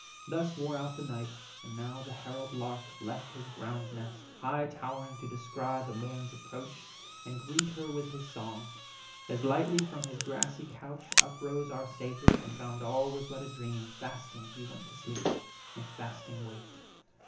Thus wore out night; and now the harald Lark Left his ground nest, high towering to descry 280 The Morn's approach, and greet her with his song. As lightly from his grassy couch up rose Our Saviour, and found all was but a dream; Fasting he went to sleep, and fasting waked.